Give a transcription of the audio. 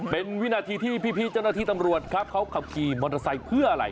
เป็นวินาทีที่พี่เจ้าหน้าที่ตำรวจครับเขาขับขี่มอเตอร์ไซค์เพื่ออะไร